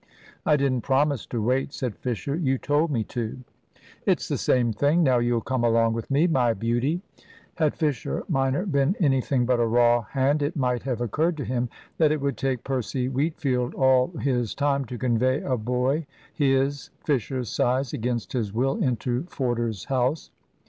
"I didn't promise to wait," said Fisher. "You told me to." "It's the same thing. Now you'll come along with me, my beauty." Had Fisher minor been anything but a raw hand, it might have occurred to him that it would take Percy Wheatfield all his time to convey a boy his, Fisher's, size against his will into Forder's house.